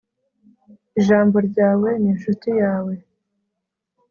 ijambo ryawe, ninshuti yawe